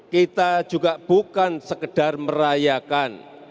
kita juga bukan sekedar merayakan